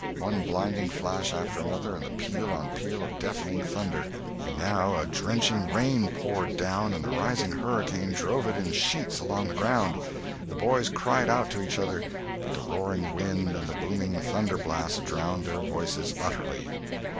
One blinding flash after another came, and peal on peal of deafening thunder. And now a drenching rain poured down and the rising hurricane drove it in sheets along the ground. The boys cried out to each other, but the roaring wind and the booming thunderblasts drowned their voices utterly.